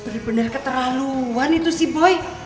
bener bener keterlaluan itu si boy